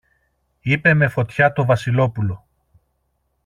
είπε με φωτιά το Βασιλόπουλο